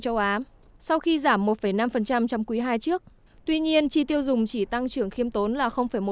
châu á sau khi giảm một năm trong quý ii trước tuy nhiên chi tiêu dùng chỉ tăng trưởng khiêm tốn là một